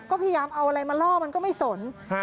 ก็พยายามเอาอะไรมาล่อมันก็ไม่สน